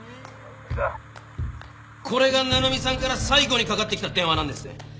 これが七海さんから最後にかかってきた電話なんですね？